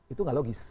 itu tidak logis